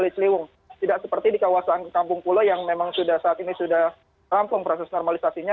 tidak seperti di kawasan kampung pulau yang memang sudah saat ini sudah rampung proses normalisasinya